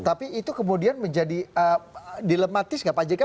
tapi itu kemudian menjadi dilematis nggak pak jk